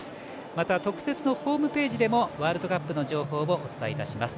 また特設のホームページでもワールドカップの情報をお伝えいたします。